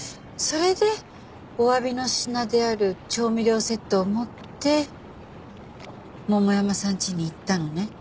それでおわびの品である調味料セットを持って桃山さんちに行ったのね？